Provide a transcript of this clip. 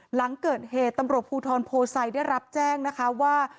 หลังเกิดเหตุตำรวจภูทรโพไซได้รับแจ้งนะคะว่า